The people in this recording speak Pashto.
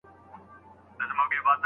آیا بیولوژي تر جغرافیې زیات حفظ غواړي؟